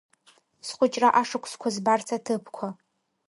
Схәыҷра ашықәсқәа збарц аҭыԥқәа.